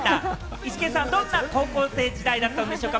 イシケンさん、どんな高校生時代だったんでしょうか？